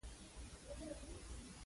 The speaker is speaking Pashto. لاسونه ماشومان زنګوي